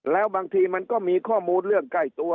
แล้วบางทีมันก็มีข้อมูลเรื่องใกล้ตัว